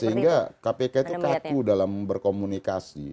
sehingga kpk itu kaku dalam berkomunikasi